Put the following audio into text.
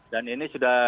dan ini sudah